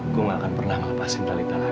gua nggak akan pernah melepasin talitha lagi